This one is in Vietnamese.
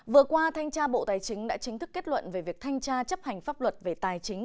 vừa qua thanh tra bộ tài chính đã chính thức kết luận về việc thanh tra chấp hành pháp luật về tài chính